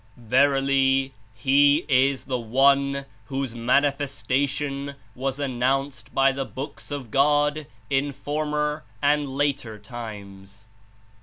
Verily, He is the One whose Mani festation was announced by the Books of God in former and later times.